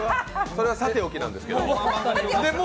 それはさておきなんですけれども。